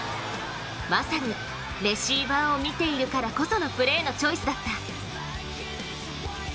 まさに、レシーバーを見ているからこそのプレーのチョイスだった。